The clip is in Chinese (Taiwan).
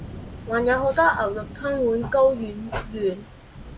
還有好多牛肉湯碗糕肉圓